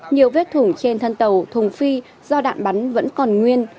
nhiều vết thủng trên thân tàu thùng phi do đạn bắn vẫn còn nguyên